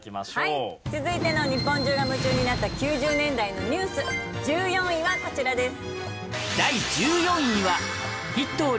続いての日本中が夢中になった９０年代のニュース１４位はこちらです。